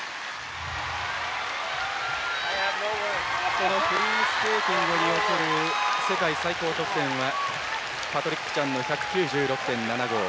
このフリースケーティングにおける世界最高得点はパトリック・チャンの１９６．７５。